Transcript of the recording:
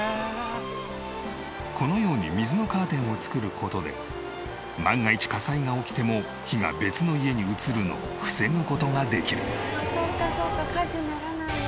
このように水のカーテンを作る事で万が一火災が起きても火が別の家に移るのを防ぐ事ができる。